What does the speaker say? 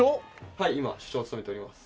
はい今主将を務めております。